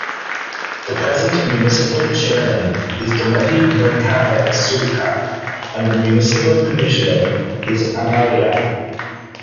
The present municipal chairman is "Dommeti Venkata Sudhakar" and the municipal commissioner is "Amaraiah".